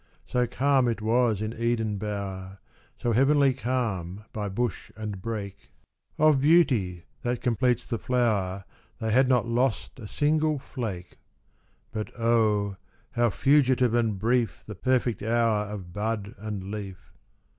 So calm it was in Eden bower, So heavenly calm by bush and brake, 47 Eden Of beauty that completes the flower They had not lost a single flake. But oh, how fugitive and brief The perfect hour of bud and leaf.